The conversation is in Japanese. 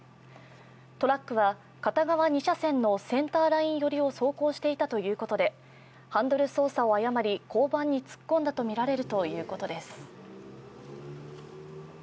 トラックは片側２車線のセンターラインよりを走行していたということで、ハンドル操作を誤り交番に突っ込んだとみられるということです。